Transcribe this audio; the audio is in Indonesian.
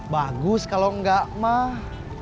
bagus kalau enggak mah